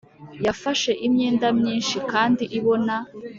yafashe imyenda myinshi kandi ibona